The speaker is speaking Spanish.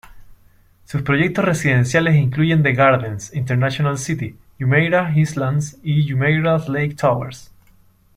Sus proyectos residenciales incluyen The Gardens, International City, Jumeirah Islands y Jumeirah Lake Towers.